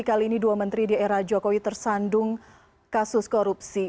kali ini dua menteri di era jokowi tersandung kasus korupsi